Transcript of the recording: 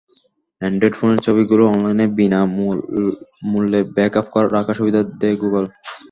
Android ফোনের ছবিগুলো অনলাইনে বিনা মূল্যে ব্যাকআপ রাখার সুবিধা দেয় গুগল।